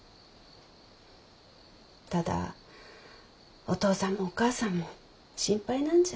ただお父さんもお母さんも心配なんじゃ。